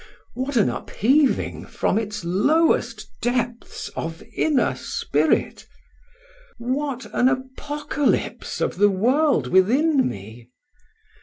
what an upheaving, from its lowest depths, of inner spirit! what an apocalypse of the world within me!